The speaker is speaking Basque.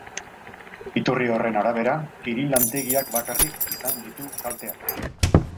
Iturri horren arabera, irin-lantegiak bakarrik izan ditu kalteak.